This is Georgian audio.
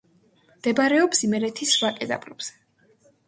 მდებარეობს იმერეთის ვაკე-დაბლობზე.